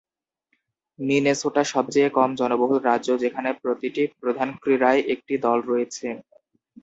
Minnesota সবচেয়ে কম জনবহুল রাজ্য যেখানে প্রতিটি প্রধান ক্রীড়ায় একটি দল রয়েছে।